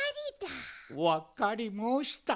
わかりもうした。